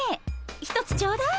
１つちょうだい。